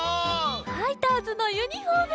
ファイターズのユニフォームだ。